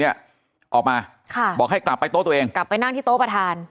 เนี่ยออกมาค่ะบอกให้กลับไปโต๊ะตัวเองกลับไปนั่งที่โต๊ะประธาน